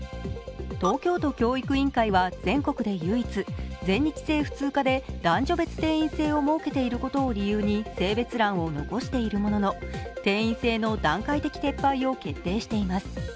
東京都教育委員会は全国で唯一、全日制普通科で男女別定員制を設けていることを理由に性別欄を残しているものの、定員制を撤廃しています。